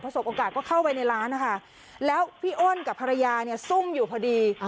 สบโอกาสก็เข้าไปในร้านนะคะแล้วพี่อ้นกับภรรยาเนี่ยซุ่มอยู่พอดี